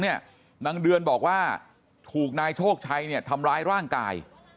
นางเดือนบอกว่าถูกนายโชคชัยทำร้ายร่างกาย